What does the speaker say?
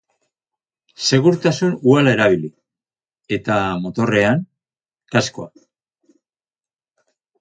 Segurtasun uhala erabili, eta motorrean, kaskoa.